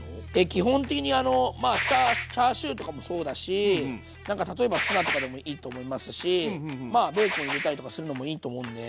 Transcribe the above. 基本的にチャーシューとかもそうだし例えばツナとかでもいいと思いますしベーコン入れたりとかするのもいいと思うんで。